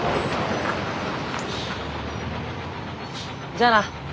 じゃあな。